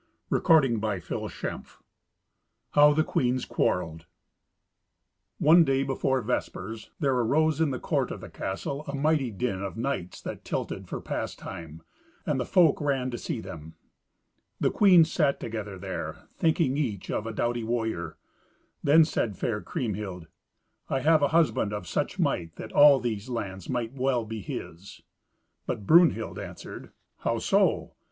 Fourteenth Adventure How the Queens Quarrelled One day, before vespers, there arose in the court of the castle a mighty din of knights that tilted for pastime, and the folk ran to see them. The queens sat together there, thinking each on a doughty warrior. Then said fair Kriemhild, "I have a husband of such might that all these lands might well be his." But Brunhild answered, "How so?